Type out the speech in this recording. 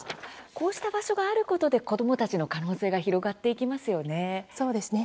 こうした場所があることで子どもたちの可能性が広がっていきますよね。